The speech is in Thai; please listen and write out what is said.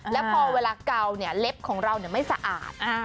แล้วพอเวลาเกาเนี่ยเล็บของเราไม่สะอาด